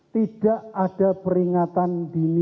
tidak ada peringatan dini